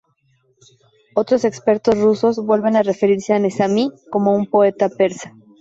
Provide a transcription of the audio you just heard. Otros expertos rusos vuelven a referirse a Nezamí como a un poeta persa.